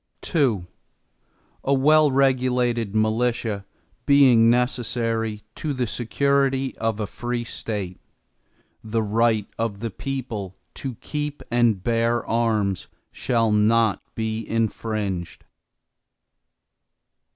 II A well regulated militia, being necessary to the security of a free State, the right of the people to keep and bear arms, shall not be infringed.